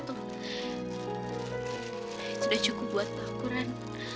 itu udah cukup buat aku ran